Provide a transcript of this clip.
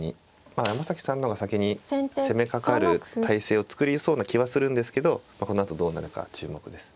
まあ山崎さんの方が先に攻めかかる態勢を作りそうな気はするんですけどこのあとどうなるか注目です。